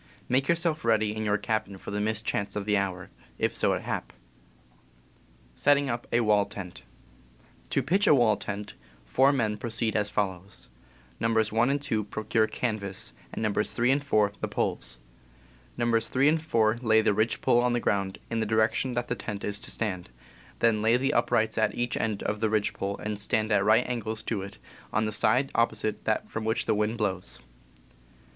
"Make yourself ready in your cabin for the mischance of the hour, if so it hap." Setting up a To pitch a wall tent, four men pro Wall Tent. ceed as follows : Nos. 1 and 2 procure canvas, and Nos. 3 and 4 the poles. Nos. 3 and 4 lay the ridge pole on the ground, in the direction that the tent is to stand; then lay the up rights at each end of ridge pole and at right angles to it, on the side opposite that from which the wind blows.